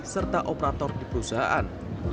serta operator di perusahaan